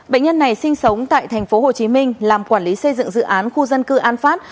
bệnh nhân này sinh sống tại tp hcm làm quản lý xây dựng dự án khu dân cư an phát